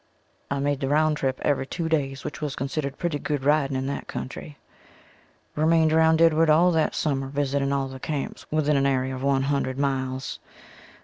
I made the round trip every two days which was considered pretty good riding in that country. Remained around Deadwood all that summer visiting all the camps within an area of one hundred miles.